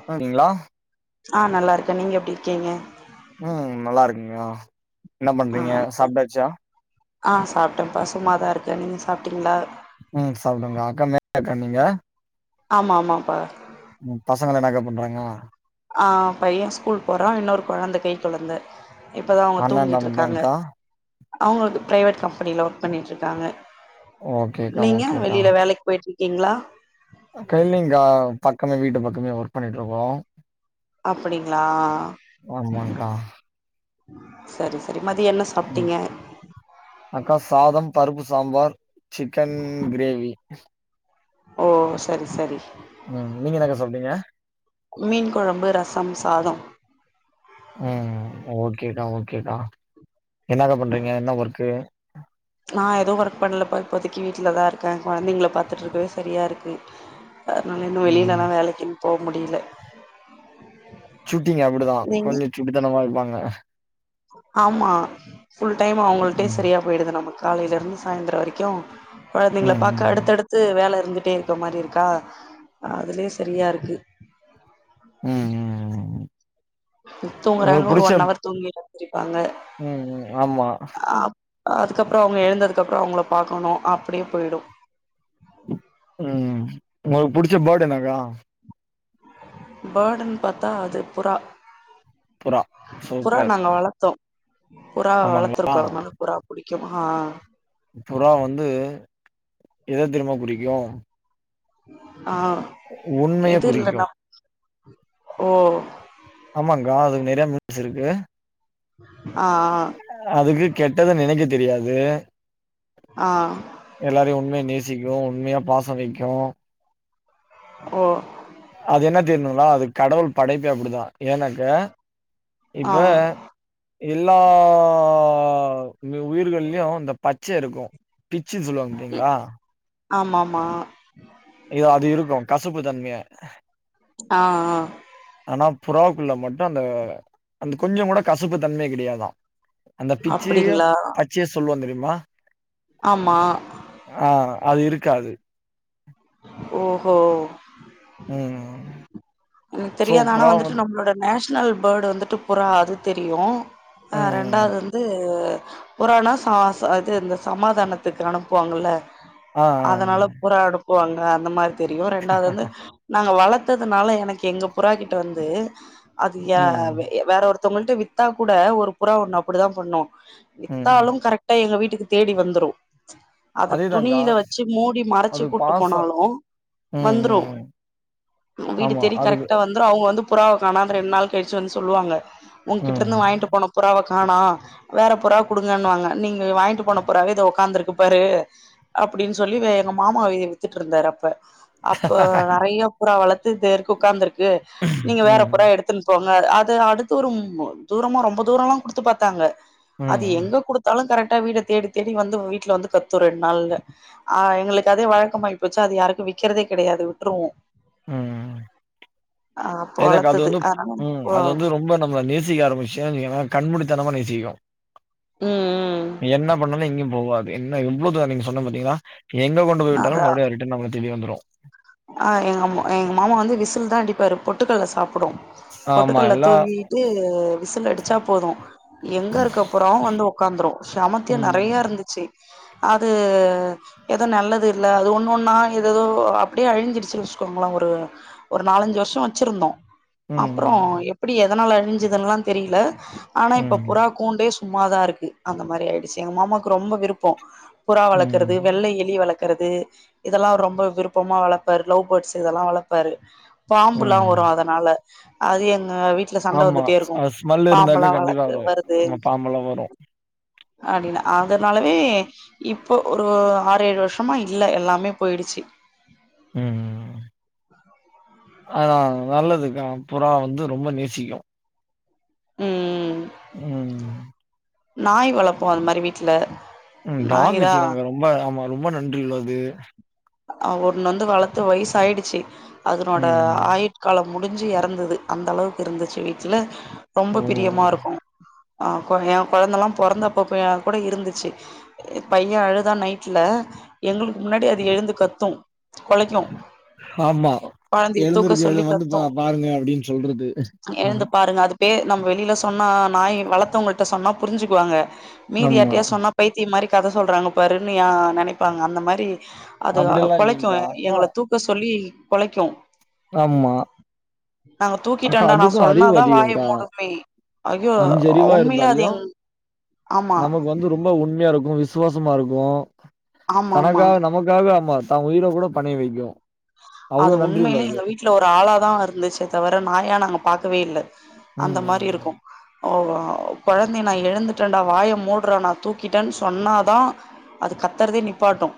நல்லாருக்கீங்களா ஆ நல்லாருக்கே நீங்க எப்டி இருக்கீங்க ம் நல்லா இருக்கீங்களா ஆ ஆ சாப்டேன்ப்பா சும்மாதா இருக்கே நீங்க சாப்டீங்களா ம் சாப்டேங்கா அக்கா மேரேஜா நீங்க ஆமா ஆமாப்பா உ பசங்க என்னக்கா பண்றாங்க ஆ பைய ஸ்கூல் போறா இன்னொரு கொழந்த கைக்கொழந்த இப்பதா அவங்க அண்ணா என்ன தூங்கிட்டு இருக்காங்க பண்றாங்க்கா அவங்களுக்கு பிரைவேட் கம்பெனில ஒர்க் பண்ணிட்டு இருக்காங்க ஓகேக்கா நீங்க ஓகேக்கா வெளியில வேலைக்கு போயிட்டு இருக்கீங்களா ட்ரில்லிங்கா பக்கமே வீட்டு பக்கமே ஒர்க் பண்ணிட்டு இருக்கோ அப்படிங்களா ஆமாங்க்கா சரி சரி மதிய என்ன ச உம் அக்கா சாதம் பருப்பு சாம்பார் சிக்கன் க்ரேவி ஓ சரி சரி ம் நீங்க என்னக்க சாப்டீங்க மீன் கொழம்பு ரசம் சாதம் ம் ஓகேக்கா ஓகேக்கா என்னக்கா பண்றீங்க என்ன ஒர்க்கு நா எதுவு ஒர்க் பண்லப்பா இப்போதைக்கு வீட்ல தா இருக்கே குழந்தைங்களை பாத்துட்டு இருக்கவே சரியா இருக்கு அதனால இன்னு ம் வெளியிலன்னா வேலைக்கின் போ முடியில சுட்டிங்க அப்டிதா கொஞ்ச சுட்டித்தனமா இருப்பாங்க ஆமா ஃபுல் டைம் அவங்கள்ட்டே ம் சரியா போயிடுது நம்ம காலையில இருந்து சாயந்தர வரைக்கு கொழந்தைங்கள ம் பாக்க ம் அடுத்தடுத்து வேல இருந்துட்டே ருக்க மாரி இருக்கா அதுலே சரியா இருக்கு ம் ம் ம் தூங்குறாங்க உங்களுக்கு ஒரு புடிச்ச ஒன் அவர் தூங்கி எந்திரிப்பாங்க ம் ம் ஆமா அ அதுக்கப்புற அவங்க எழுந்ததுக்கப்புற அவங்கள பாக்கணு அப்டியே போய்டு ம் ஒங்களுக்கு புடிச்ச பாட்டு என்னக்கா பேர்டுன்னு பாத்தா அது புறா புறா புறா சூப்பர் நாங்க வளத்தோ புறா ஆமாங்களா வளத்துருக்கோ அதனால புறா புடிக்கு ஆ புறா வந்து எவ்ளோ தெரிமா புடிக்கு ஆ உண்மைய எது குறிக்கு இல்னா ஓ ஆமாங்கா அதுக்கு நெறைய மித்ஸ் இருக்கு ஆ ஆ அதுக்கு கெட்டத நெனைக்க தெரியாது ஆ எல்லாரையும் உண்மைய நேசிக்கு உண்மையா பாசோ வெக்கு ஓ அது என்ன தெர்னுங்கலா அது கடவுள் படைப்பே அப்படிதா ஏன்னாக்க இப்ப ஆ எல்லா உயிர்கள்லையு இந்த பச்ச இருக்கு பிச்சி சொல்லுவாங்க பாத்திங்களா ஆமாம்மா இது அது இருக்கு கசப்பு தன்மைய ஆ ஆ ஆனா புறாவுக்குள்ள மட்டும் அந்த அந்த கொஞ்சோ கூட கசப்பு தன்மையே கெடையாதா அந்த பிச்சியு அப்டிங்களா பச்சயு சொல்லுவோ தெரிமா ஆமா ஆ அது இருக்காது ஓஹோ ம் ம் எனக்கு சோ தெரியாது ஆனா புறா வந்துட்டு வந்து நம்மளோட நேஷ்னல் பேர்டு வந்துட்டு புறா அது தெரியு ஆ ம் ரெண்டாவது வந்து புறானா ச ச இது இந்த சமாதானத்துக்கு அனுப்புவாங்கல்ல ஆ ஆ ஆ அதனால புறா அனுப்புவாங்க அந்த மாரி தெரியு ரெண்டாவது வந்து நாங்க வளத்ததுனால எனக்கு எங்க புறா கிட்ட வந்து அது யா ம் வேற ஒருத்தவங்கள்ட வித்தா கூட ஒரு புறா ஒன்னு அப்டிதா பண்ணோ ம் வித்தாலும் கரெக் விட்டா எங்க வீட்டுக்கு தேடி வந்துரும் அத அதேதாங்கா துணில வச்சு மூடி மறைச்சி அது கூட்டு பாசோ போனாலு ம் வந்துரு ம் வீடு ஆமா தேடி அதுக்கு கரெக்டா வ வந்ரோ அவுங்க வந்து புறாவ காணோ ரெண்டு நாள் கழிச்சி வந்து சொல்லுவாங்க உங்க கிட்ட ம் இருந்து வாங்கிட்டு போன புறாவ காணு வேற புறாவ குடுங்கன்னுவாங்க நீங்க வாங்கிட்டு போன புறாவே இதோ ஒட்காந்திருக்கு பாரு அப்டின்னு சொல்லி இத எங்க மாமா வித்துட்டு இருந்தாரு அப்பே அப்போ நறைய புறா வளத்து தோ இருக்கு ஒட்காந்துருக்கு நீங்க வேற ம் புறா எடுத்துன் போங் அது அடுத்து ஒரு ம் தூரமா ரொம்ப தூரல்லா குடுத்து பாத்தாங்க அது ம் எங்க குடுத் டாலு கரெக்டா வீட தேடி தேடி வந்து வீட்டுல வந்து கத்து ரெண்டு நாள்ல ஆ எங்களுக்கு அதே வழக்கமாயி போச்சா அது யாருக்கு விக்கிறதே கெடையாது விட்டுருவோ ம் ஆ எங்க அது பொளத்தது வந்து அதனால ம் போ அது வந்து ரொம்ப நம்மள நேசிக்க ஆரம்பிச் சா கண் முடித்தனமா நேசிக்கு என்ன பண்ணாலு எங்கயு போவாது என்ன எவ்ளோ தூரோ நீங்க சொன்ன பாத்திங்ளா எங்க கொண்டு போய் விட்டாலு அதா மறுபடியு ரிட்டன் நம்ம தேடி வந்துரு ஆ எங்க எங்க மாமா வந்து விசில் தா அடிப்பாரு பொட்டுக்கல்ல சாப்புடோ ஆமா பொட்டுக்கல்ல எல்லா தூவிட்டு விசில் அடிச்சா போது எங்க இருக்க புறாவு வந்து ஒக்காந்துரு செமத்தியா ம் நறையா இருந்துச்சி அது ஏதோ நல்லது இல்ல அது ஒன்னு ஒன்னா ஏதே தோ அப்டியே அழிஞ்சிடிச்சின்னு வெச்சுக்கோங்களே ஒரு நாலஞ்சு வருஷோ வச்சிருந்தோ அப்புறோ ம் எப்டி எதனால அழிஞ்சிதுன்லா தெரில ஆனா இப்ப ம் புறா கூண்டே சும்மாதா இருக்கு அந்த மாரி ஆயிடுச்சி எங்க மாமாவுக்கு ரொம்ப விருப்போ புறா ம் வளக்கறது வெள்ள எலி வளக்கறது இதெல்லா ரொம்ப விருப் [unintelligible] வளப்பாரு லவ் பேர்ட்ஸ் இதெல்லா வளப்பாரு பாம்பு எல்லா ம் வரு அதனால அது எங்க வீ வீட்ல சண்ட ஆமா வந்துட்டே இருக்கு அது ஸ்மெல் இருந்தாக்க பாம்பெல்லா கண்டிப்பா வளந்து அது வருது ஆமா பாம்பெல்லா வரு அப்டின்னு அதனாலவே இப்போ ஒரு ஆறு ஏழு வருஷமா இல்ல எல்லாமே போயிடுச்சு ம் ஆனா நல்லதுங்க புறா வந்து ரொம்ப நேசிக்கு ம் ம் நாய் வளப்போ அது மாரி வீட்ல ம் டாக் நாய் தா வெச்சுக்கங்க ரொம்ப ஆமா ரொம்ப நன்றி உள்ளது அ ஒன்னு வந்து வளத்து வயசு ஆயிடுச்சு அதனோட ம் ஆயில் காலோ முடிஞ்சு எறந்தது அந்த அளவுக்கு இருந்துச்சு வீட்ல ஓ ரொம்ப பிரியமா இருக்கு அ ஏ கொழந்தல்லா பொறந்தப்ப ஏ கூட இருந்துச்சு அ பைய அழுதா நைட்ல எங்களுக்கு முன்னாடி அது எழுந்து கத்து கொலைக்கு ஆமா கொழந்தைய தூக்க எழுந்திருக்கு எழு சொல்லி வந்து பா கத்து பாருங்க அப்டின்னு சொல்றது எழுந்து பாருங்க அது பே நம்ம வெளில சொன்னா நாய் வளத்தவங்க கிட்ட சொன்னா புரிஞ்சுக்குவாங்க மீதி ஆமா யார்ட்டனா சொன்னா பைத்திய மாரி கத சொல்றாங்க பாருன்னு நெனைப்பாங்க அந்த மாரி அது அப்டில்லா கொலைக்கு இல்லைங்க்கா அக்கா எங்கள தூக்க சொல்லி கொலைக்கு ஆமா நாங்க அக்கா தூக்கிட்டோன்டா நா அதுக்கு அறிவு சொன்னாதா அதிகோ வாய அக்கா மூடுமே ஐயோ அஞ்சறிவா உண்மையில அது இருந்தாலயு எங் ஆமா நமக்கு வந்து ரொம்ப உண்மையா இருக்கு விசுவாசமா இருக்கு ஆமா ஆமா தனக்காக நமக்காக ஆமா தா உயிர கூட பனைய வைக்கு அவ்ளோ அது நன்றி உண்மையிலே உள்ளது எங்க வீட்ல ஒரு ஆளாதா இருந்துச்சே தவிர நாயா நாங்க பாக்கவே இல்ல அந்த ம் ம் மாரி ம். இருக்கு ஓ கொழந்தை நா எழுந்துட்டேன்டா வாய மூட்றா நா தூக்கிட்டேனு சொன்னாதா அது கத்தறதே நிப்பாட்டு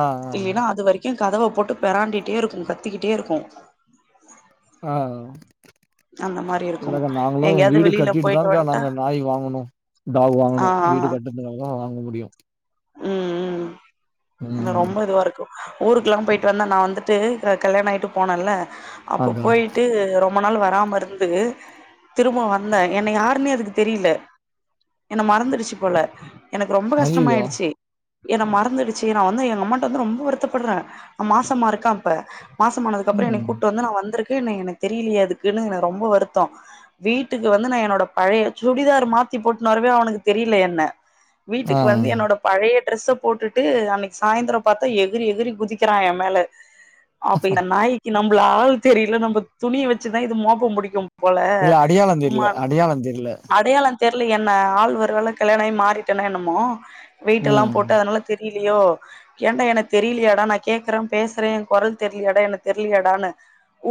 ஆ ஆ இல்லன்னா அது வரைக்கு கதவ போட்டு பெராண்டிட்டே இருக்கு கத்திக்கிட்டே இருக்கு அ அந்த மாரி இருக்கு இல்லக்கா நாங்களு எங்கேயாவது வீடு வெளியில போயிட்டு கட்டிட்டுதாக்கா வந்ட்டா நாங்க நாய் வாங்கனு டாக் ஆ வாங்கணு வீடு ஆ கட்டுனா தா வாங்க முடியு ம் ம் இது ம் ரொம்ப இதுவா இருக்கு ஊருக்கெல்லா போயிட்டு வந்து நா வந்துட்டு கல்யாண ஆயிட்டு போனேன்ல அப்ப அக்கா. போயிட்டு ரொம் ரொம்ப நாள் வராம இருந்து திரும்ப வந்தே என்ன யாருன்னே அதுக்கு தெரில என்ன மறந்துடுச்சு போல எனக்கு ரொம்ப ஐயய்யோ! கஷ்டமாயிடு ச்சு என்ன மறந்துடுச்சு நா வந்து எங்க அம்மாகிட்ட வந்து ரொம்ப வருத்தப்படுறே மாசமா இருக்கே அப்ப மாசமானதுக்கு அப்றோ என்னய ம். கூட்டு வந்து நா வந்திருக்கு என்னய என்னய தெரியிலியே அதுக்குன்னு எனக்கு ரொம்ப வருத்தோ வீட்டுக்கு வந்து நா என்னோட பழைய சுடிதார் மாத்தி போட்டுனுவரவே அவனுக்கு தெரில என்ன ஆ. வீட்டுக்கு வந்து என்னோட பழைய டிரெஸ்ச போட்டுட்டு அன்னிக்கு சாயந்தரோ பாத்தா எகுறி எகுறி குதிக்கிறா ஏ மேல அப்ப இந்த நாய்க்கி நம்மள ஆள் தெரில நம்ப துணிய வெச்சுதா இது மோப்ப புடிக்கு போல இல்ல அடையாளம் ம தெரியல அடையாளம் தெரியல. அடையாள தெரில என்ன ஆள் ஒருவேள கல்யாண ஆயி மாறிட்டனோ என்னமோ வெயிட்டு் எல்லா ம். போட்டு அதனால தெரிலியோ ஏண்டா என்ன தெரிலியாடா நா கேக்குற பேசுற கொறல் தெரிலியாடா என்ன தெரிலியாடான்னு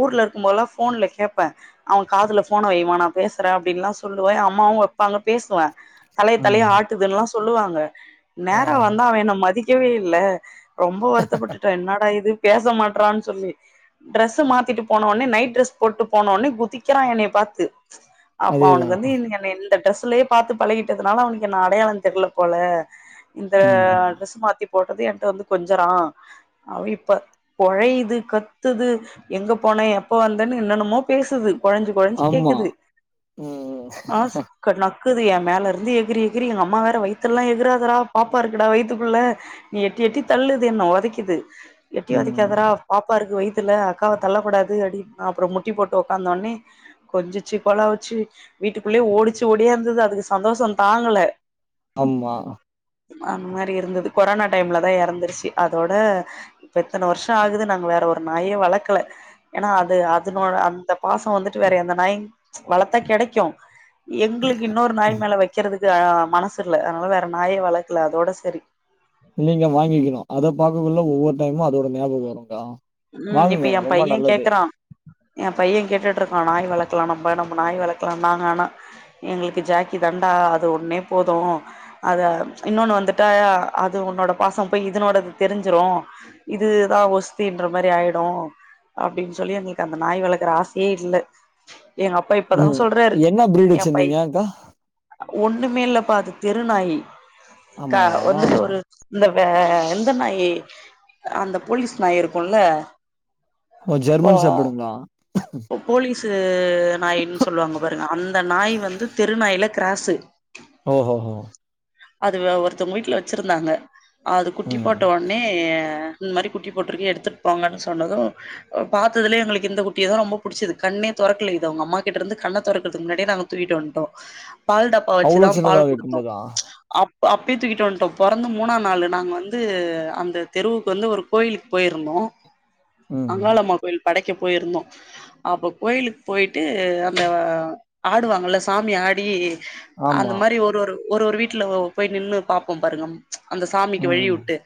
ஊர்ல இருக்குபோதெல்லா ஃபோன்ல கேட்பே அவ காதுல போன வைய்மா நா பேசுறே அப்டின்ல்லா சொல்லுவே அம்மாவு வைப்பாங்க பேசுவே தலைய தலைய ம். ஆட்டுதுன்னுல்லா சொல்லுவாங்க ஆ. நேரா வந்தா அவ என்ன மதிக்கவே இல்ல ரொம்ப வருத்தப்பட்டுட்டே என்னடா இது பேச மாட்டறான்னு சொல்லி டிரெஸ்ச மாத்திட்டு போனோனே நைட் ட்ரெஸ் போட்டு போனோனே குதிக்கிறா என்னய பாத்து அப்ப அவனுக்கு அதேதான். வந்து என்னைய இந்த டிரெஸ்லையே பாத்து பழகிட்டதுனால அவனுக்கு என்ன அடையாள தெரில போல இந்த ம். டிரெஸ் மாத்தி போட்டது என்ட்ட வந்து கொஞ்சரா அவ இப்ப கொழையுது கத்துது எங்க போன எப்ப வந்தேன்னு என்னன்னமோ பேசுது கொழஞ்சு கொழஞ்சு ஆமா. கேக்குது ம். ஆஸ் நக்குது எ மேல இருந்து எகிரி எகிரி எங்க அம்மா வேற வயத்தெல்லா எகுறாதரா பாப்பா இருக்குடா வயித்துக்குள்ள நீ எட்டி எட்டி தள்ளுது என்ன ஒதைக்குது எட்டி ம். ஒதைக்காதரா பாப்பா இருக்கு வய்த்துல அக்காவ தள்ளகூடாது அப்டி ந அப்றோ முட்டி போட்டு உட்காந்தோனே கொஞ்சிச்சு கொலாவுச்சு வீட்டுக்குள்ளயே ஓடுச்சு ஓடியாந்துது அதுக்கு சந்தோஷோ தாங்கல அம்மா அந்த மாரி இருந்தது கொரோனா டைம்ல தா எறந்துருச்சு அதோட இப்ப எத்தன வருஷ ஆகுது நாங்க வேற ஒரு நாயே வளக்கல ஏன்னா அது அதனோட அந்த பாச வந்துட்டு வேற எந்த நாய் வளத்தா கெடைக்கு எங்களுக்கு இன்னொரு நாய் மேல வைக்கிறதுக்கு மனசு இல்ல அதனால வேற நாயே வளக்கல அதோட சரி நீங்க வாங்கிக்கிணு அத பாக்ககுல்ல ஒவ்வொரு டைமு அதோட ஞாபகோ வருக்கா ம் இப்ப எ பைய கேக்கறா எ பைய கேட்டுட்டு இருக்கா நாய் வளக்கலா நம்ப நம்ப நாய் வளக்கலா நாங்க ஆனா எங்களுக்கு ஜாக்கி தாண்டா அது ஒன்னே போது அத இன்னொன்னு வந்துட்டா அது உன்னோட பாசோ போய் இதனோடது தெரிஞ்சிரு இதுதா ஒஸ் தீ ன்ற மாரி ஆயிடு அப்டினு சொல்லி எங்களுக்கு அந்த நாய் வளக்குற ஆசியே இல்ல எங்க அப் அப்பா இப்பதா ம். சொல்றாரு என்ன ப்ரீட் எ பை வச்சிருந்தீங்க அக்கா? ஒண்ணுமே இல்லப்பா அது தெருநாயி கா ஆமாவா? வந்து ஒரு இந்த வே எந்த நாயி அந்த போலீஸ் நாய் இருக்குல்ல ஓ போ ஜெர்மன் ஷெப்படுங்களா போலீஸு நாய்னு சொல்லுவாங்க பாருங்க அந்த நாய் வந்து தெருநாயில க்ராஸு ஓஹோ ஓ அது ஒருத்தவங்க வீட்ல வச்சிருந்தாங்க அது குட்டி ம். போட்ட ஒன்னே இந்த மாதிரி குட்டி போட்டிருக்கு எடுத்துட்டு போங்கன்னு சொன்னதூ ப பாத்ததுலே எங்களுக்கு இந்த குட்டிய தா ரொம்ப புடிச்சது கண்ணே தொறக்கல இது அவுங்க அம்மா கிட்ட இருந்து கண்ண தொறக்குறதுக்கு முன்னாடியே நாங்க தூக்கிட்டு வன்ட்டோ பால் டப்பா அவ்ளோ வச்சுதா சின்னதா பால் குடுத்தோ இருக்கும்போதா? அப் அப்பயே தூக்கிட்டு வன்ட்டோ பொறந்து மூணா நாள் நாங்க வந்து அந்த தெருவுக்கு வந்து ஒரு கோயிலுக்கு போயிரு ட்ருந்தோ ம். அங்காளம்மா கோயில் படைக்க போயிருந்தோ அப்ப கோயிலுக்கு போயிட்டு அந்த ஆடுவாங்கல்ல சாமி ஆடி அந்த ஆமா. மாரி ஒரு ஒரு ஒரு ஒரு வீட்ல போய் நின்னு பாப்போ பாருங்க அந்த சாமிக்கு வழி ம். உட்டு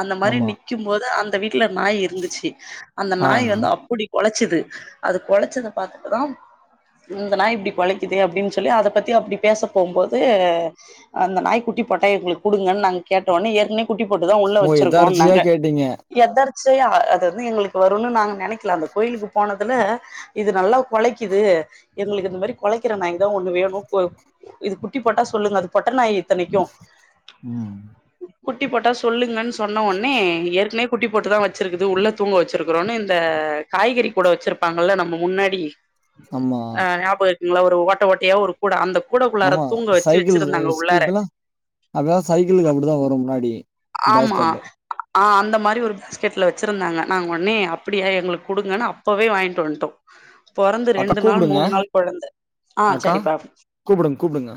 அந்த மாரி ஆமா. நிக்கு போது அந்த வீட்ல நாய் இருந்துச்சு அந்த ஆ. நாய் வந்து அப்டி கொலச்சுது அது கொலச்சத பாத்துட்டுதா இந்த நாய் இப்டி கொலைக்குதே அப்டின்னு சொல்லி அத பத்தி அப்டி பேச போம்போது அந்த நாய் குட்டி போட்டா எங்களுக்கு குடுங்கன்னு நாங்க கேட்டோனே ஏற்கனே குட்டி போட்டுதா உள்ள வச்சிருக்கோனாங்க ட்டீங்க எதர்ச்சயா அது வந்து எங்களுக்கு வருனு நாங்க நெனைக்கல அந்த கோயிலுக்கு போனதுல இது நல்லா கொலைக்குது எங்களுக்கு இந்த மாரி கொலைக்கிற நாய்தா ஒண்ணு வேணு இது குட்டி போட்டா சொல்லுங்க அது பொட்ட நாய் இத்தனைக்கு ம் குட்டி போட்டா சொல்லுங்கன்னு சொன்ன ஒன்னே ஏற்கனே குட்டி போட்டுதா வச்சிருக்குது உள்ள தூங்க வச்சிருக்கறோன்னு இந்த காய்கறி கூட வச்சிருப்பாங்கல்ல நம்ம முன்னாடி ஆமா. ஆ ஞாபகோ இருக்குங்களா ஒரு ஓட்டை ஓட்டையா ஒரு கூட அந்த கூடக்குள்ளார ஆமா. தூங்க வச்சு வச்சிருந்தாங்க உள்ளார அதா சைக்கிளுக்கு அப்டிதா வரு முன்னாடி ஆமா பேஸ்கெட்டு. ஆ அந்த மாரி ஒரு பேஸ்கெட்ல வச்சுருந்தாங்க நாங்க ஒன்னே அப்டியா எங்களுக்கு குடுங்கன்னு அப்பவே வாய்ன்ட்டு வன்டோ பொறந்து அக்கா ரெண்டு நாள் கூப்பிடுங்க. மூண் நாள் கொழந்த ஆ செரிப்பா கூப்புடுங் கூப்புடுங்க